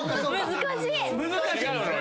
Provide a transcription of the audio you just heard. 難しい。